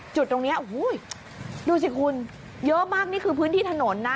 จุดตรงนี้โอ้โหดูสิคุณเยอะมากนี่คือพื้นที่ถนนนะ